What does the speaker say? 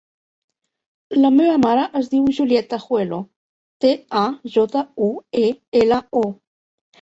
La meva mare es diu Juliette Tajuelo: te, a, jota, u, e, ela, o.